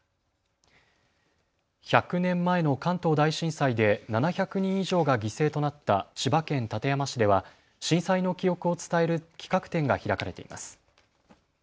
１００年前の関東大震災で７００人以上が犠牲となった千葉県館山市では震災の記憶を伝える企画展が開かれています。